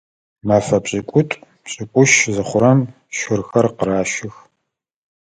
Мэфэ пшӏыкӏутӏу-пшӏыкӏутщ зыхъурэм щырхэр къыращых.